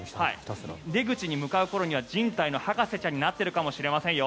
出口に向かう頃には人体の「博士ちゃん」になっているかもしれませんよ。